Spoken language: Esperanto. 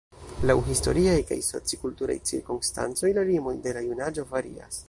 Laŭ historiaj kaj soci-kulturaj cirkonstancoj la limoj de la junaĝo varias.